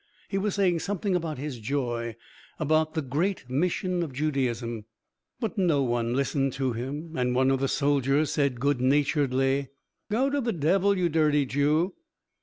He was saying something about his joy, about the great mission of Judaism. But no one listened to him, and one of the soldiers said good naturedly: "Go to the devil, you dirty Jew."